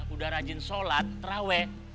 udah rajin sholat trawe